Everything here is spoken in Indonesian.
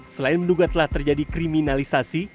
selain menduga telah terjadi kriminalisasi